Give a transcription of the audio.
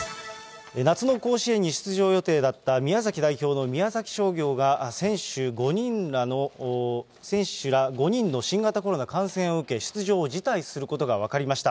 夏の甲子園に出場予定だった宮崎代表の宮崎商業が、選手ら５人の新型コロナ感染を受け、出場を辞退することが分かりました。